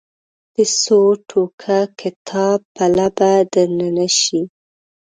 د څو ټوکه کتاب پله به درنه نه شي.